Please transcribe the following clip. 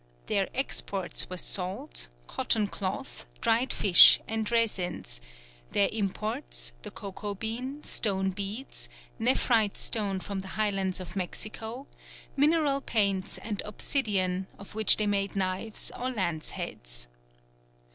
Their exports were salt, cotton cloth, dried fish, and resins; their imports, the cocoa bean, stone beads, nephrite stone from the highlands of Mexico, mineral paints and obsidian, of which they made knives or lance heads.